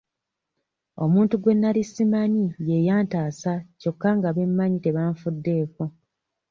Omuntu gwe nali simanyi ye yantaasa kyokka nga be mmanyi tebanfuddeeko.